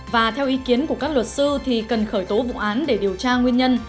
và theo ý kiến của các luật sư thì cần khởi tố vụ án để điều tra nguyên nhân